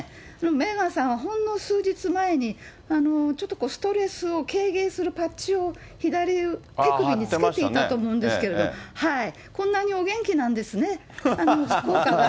メーガンさんはほんの数日前に、ちょっとストレスを軽減させるパッチを左手首につけていたと思うんですけれど、こんなにお元気なんですね。